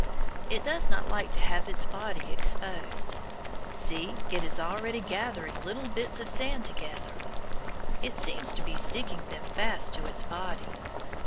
It does not like to have its soft body exposed. See! it is already gathering little bits of sand together. It seems to be sticking them fast to its body.